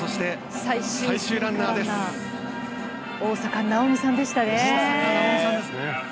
大坂なおみさんでしたね。